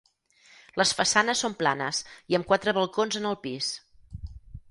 Les façanes són planes i amb quatre balcons en el pis.